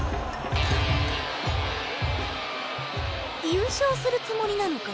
優勝するつもりなのかな。